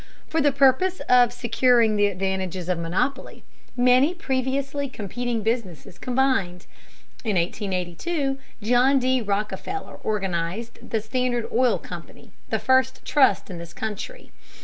For the purpose of securing the advantages of monopoly, many previously competing businesses combined. In 1882 John D. Rockefeller organized the Standard Oil Company, the first trust in this country.